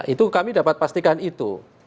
itu kami dapat pastikan itu